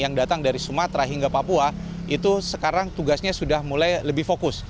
yang datang dari sumatera hingga papua itu sekarang tugasnya sudah mulai lebih fokus